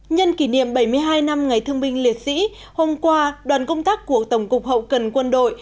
nhân kỷ niệm bảy mươi hai năm ngày thương binh liệt sĩ hôm qua đoàn công tác của tổng cục hậu cần quân đội